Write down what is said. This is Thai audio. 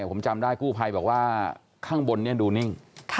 ผมจำได้กู้ภัยบอกว่าข้างบนนี้ดูนิ่ง